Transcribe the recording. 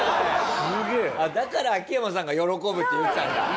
だから秋山さんが喜ぶって言ったんだ。